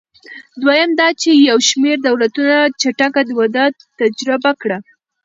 دویم دا چې یو شمېر دولتونو چټکه وده تجربه کړه.